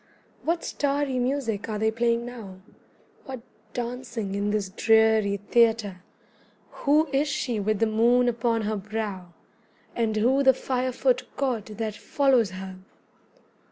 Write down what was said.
What starry music are they playing now? What dancing in this dreary theatre? Who is she with the moon upon her brow, And who the fire foot god that follows her?